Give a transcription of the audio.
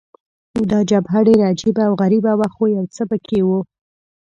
دا جبهه ډېره عجبه او غریبه وه، خو یو څه په کې وو.